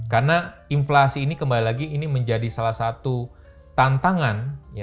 karena inflasi ini kembali lagi menjadi salah satu tantangan